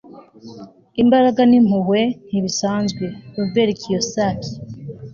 imbaraga n'impuhwe ntibisanzwe. - robert kiyosaki